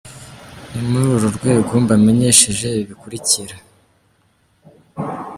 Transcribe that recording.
Ni muri uru rwego mbamenyesheje ibi bikurikira: